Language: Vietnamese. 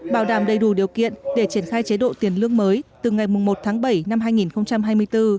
bảo đảm đầy đủ điều kiện để triển khai chế độ tiền lương mới từ ngày một tháng bảy năm hai nghìn hai mươi bốn